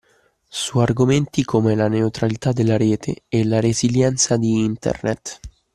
Su argomenti come la neutralità della rete e la resilienza di Internet.